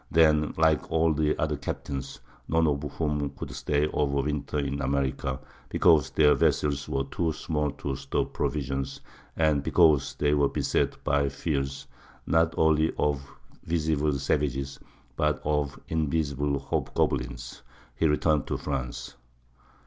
Then, like all the other captains, none of whom could stay over winter in America, because their vessels were too small to store provisions, and because they were beset by fears, not only of visible savages, but of invisible hobgoblins, he returned to France.